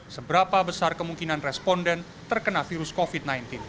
seberapa besar kemungkinan responden terkena virus covid sembilan belas